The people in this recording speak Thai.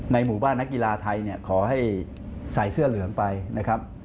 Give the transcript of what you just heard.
หมู่บ้านนักกีฬาไทยเนี่ยขอให้ใส่เสื้อเหลืองไปนะครับ